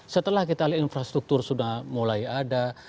setelah kita lihat infrastruktur sudah mulai ada